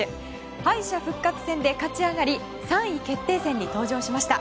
敗者復活戦で勝ち上がり３位決定戦に登場しました。